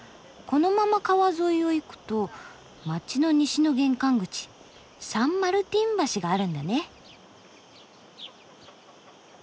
このまま川沿いを行くと街の西の玄関口サン・マルティン橋があるんだね。